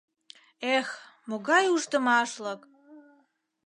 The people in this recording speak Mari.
— Эх, могай уждымашлык!